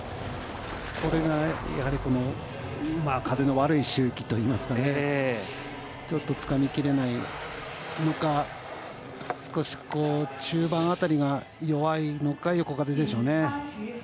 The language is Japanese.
風の悪い周期といいますかちょっと、つかみきれないのか少し、中盤辺りが弱いのか横風ですね。